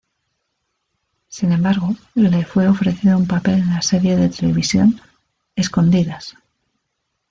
Sin embargo, le fue ofrecido un papel en la serie de televisión "Escondidas".